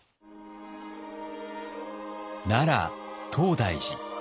奈良東大寺。